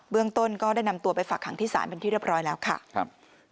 ต้นก็ได้นำตัวไปฝากหางที่ศาลเป็นที่เรียบร้อยแล้วค่ะครับ